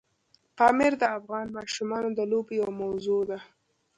پامیر د افغان ماشومانو د لوبو یوه موضوع ده.